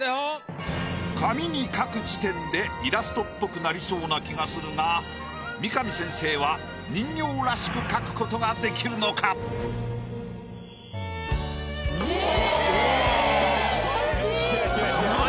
紙に描く時点でイラストっぽくなりそうな気がするが三上先生は人形らしく描く事ができるのか？ええ！何？